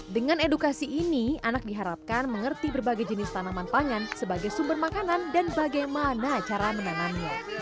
dengan edukasi ini anak diharapkan mengerti berbagai jenis tanaman pangan sebagai sumber makanan dan bagaimana cara menanamnya